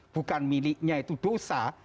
bukan miliknya itu dosa